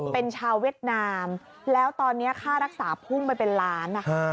เป็นชาวเวียดนามแล้วตอนนี้ค่ารักษาพุ่งไปเป็นล้านนะคะ